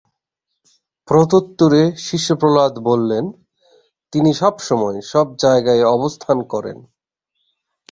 প্রত্যুত্তরে শিশু প্রহ্লাদ বললেন, "তিনি সবসময়, সব জায়গায় অবস্থান করেন।"